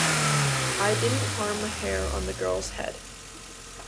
I didn't harm a hair on the girl's head.